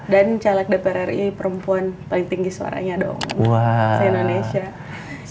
dan caleg dpr ri perempuan paling tinggi suaranya dong di indonesia